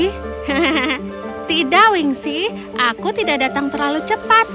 hahaha tidak wingsy aku tidak datang terlalu cepat